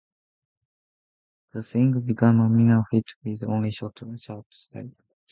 The single became a minor hit with only a short chart stay.